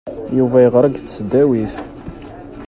Yuba yeɣra deg tesdawit.